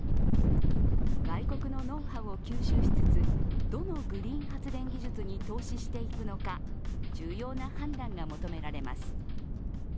外国のノウハウを吸収しつつ、どのグリーン発電技術に投資していくのか、重要な判断が求められます。